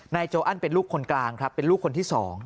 โจอันเป็นลูกคนกลางครับเป็นลูกคนที่๒